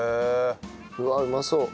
うわうまそう。